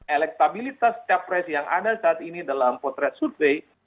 elektabilitas capres yang ada saat ini dalam potret survei